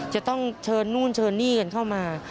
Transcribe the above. จะต้องเชิญนู่นเชิญนี่กันเข้ามา